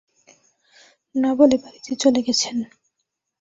না বলে বাড়িতে চলে গেছেন।